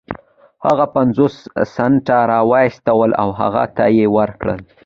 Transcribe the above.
هغه پنځوس سنټه را و ايستل او هغې ته يې ورکړل.